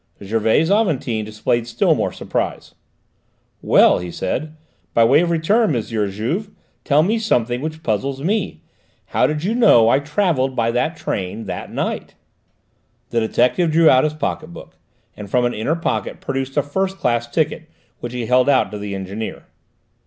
Gervais Aventin displayed still more surprise. "Well," he said, "by way of return, M. Juve, tell me something which puzzles me. How did you know I travelled by that train that night?" The detective drew out his pocket book, and from an inner pocket produced a first class ticket, which he held out to the engineer.